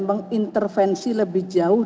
mengintervensi lebih jauh